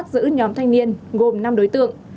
giữ nhóm thanh niên gồm năm đối tượng